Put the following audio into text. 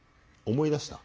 思い出した？